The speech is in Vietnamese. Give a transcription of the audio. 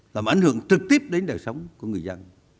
làm ảnh hưởng trực tiếp đến đời sống của người dân